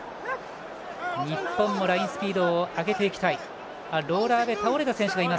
日本もラインスピードを上げていきたい。